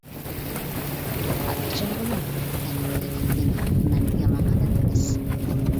خاتىرجەم بولۇڭ، دەپتۇ يىگىت يەنە، مەن يامان ئادەم ئەمەس.